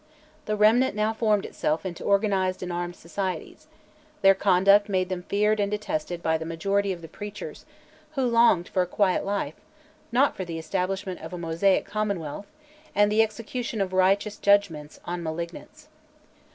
The Remnant now formed itself into organised and armed societies; their conduct made them feared and detested by the majority of the preachers, who longed for a quiet life, not for the establishment of a Mosaic commonwealth, and "the execution of righteous judgments" on "malignants."